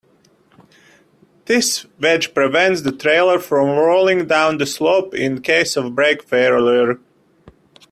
This wedge prevents the trailer from rolling down the slope in case of brake failure.